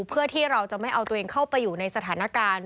เพื่อที่เราจะไม่เอาตัวเองเข้าไปอยู่ในสถานการณ์